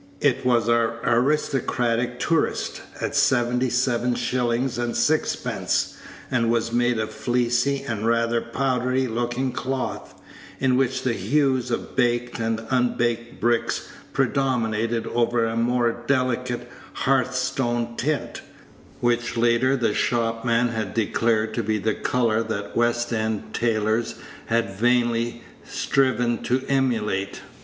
It was "our aristocratic tourist," at seventy seven shillings and sixpence, and was made of a fleecy and rather powdery looking cloth, in which the hues of baked and unbaked bricks predominated over a more delicate hearthstone tint, which latter the shopman had declared to be a color that West End tailors had vainly striven to emulate.